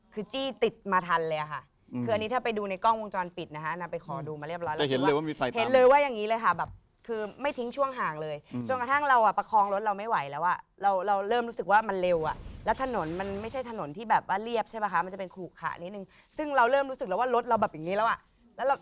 คือจี้ติดมาทันเลยอะค่ะคืออันนี้ถ้าไปดูในกล้องวงจรปิดนะฮะอันนาไปขอดูมาเรียบร้อย